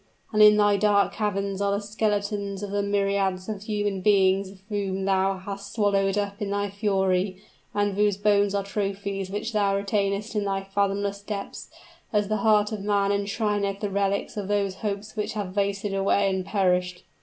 And in thy dark caverns are the skeletons of the myriads of human beings whom thou hast swallowed up in thy fury; and whose bones are trophies which thou retainest in thy fathomless depths, as the heart of man enshrineth the relics of those hopes which have wasted away and perished!"